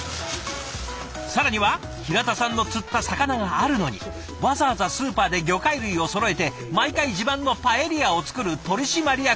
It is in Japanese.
更には平田さんの釣った魚があるのにわざわざスーパーで魚介類をそろえて毎回自慢のパエリアを作る取締役まで！